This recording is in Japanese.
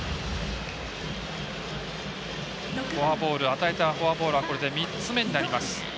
与えたフォアボールはこれで３つ目になります。